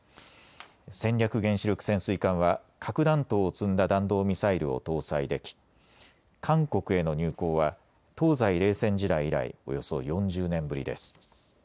戦略原子力潜水艦は核弾頭を積んだ弾道ミサイルを搭載でき、韓国への入港は東西冷戦時代以来、およそ４０年ぶりです。